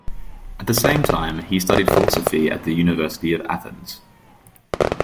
At the same time, he studied philosophy at the University of Athens.